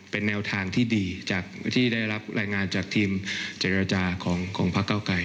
เป็นแนวทางที่ดีจากที่ได้รับรายงานจากทีมเจรจาของพระเก้าไกร